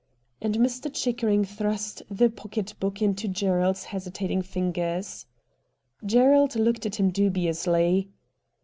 And Mr. Chickering thrust the pocket book into Gerald's hesitating fingers. Gerald looked at him dubiously.